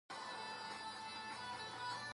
افغانستان کې کندهار د هنر په اثار کې منعکس کېږي.